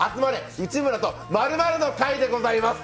内村と○○の会」でございます。